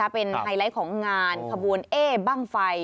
เป็นไฮไลท์ของงานขบวนเอ๊บ้างไฟ